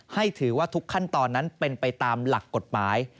ให้ถือว่าทุกขั้นตอนนั้นเป็นไปตามหลักกฎหมาย